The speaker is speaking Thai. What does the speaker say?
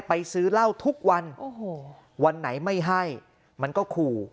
ซื้อเหล้าทุกวันโอ้โหวันไหนไม่ให้มันก็ขู่